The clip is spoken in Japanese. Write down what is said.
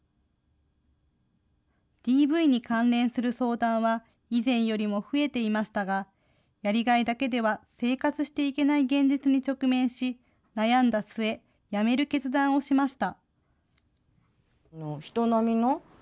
ＤＶに関連する相談は、以前よりも増えていましたが、やりがいだけでは生活していけない現実に直面し、悩んだ末、辞める決断をしました。